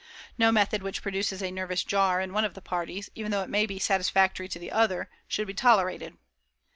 No method which produces a nervous jar in one of the parties, even though it may be satisfactory to the other, should be tolerated.